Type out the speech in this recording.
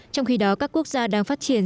trong khi đó các quốc gia đang phát triển